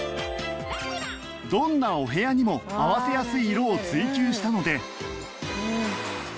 どんなお部屋にも合わせやすい色を追求したので